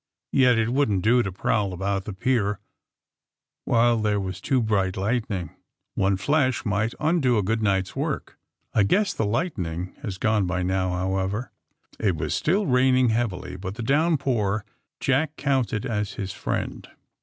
^*Yet it wouldn't do to prowl about the pier while there was too bright lightning. One flash might undo a night ^s good work. I guess the lightning has gone by now, however. '' It was still raining heavily, but the downpour Jack counted as his friend.